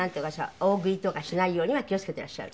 大食いとかしないようには気を付けていらっしゃる。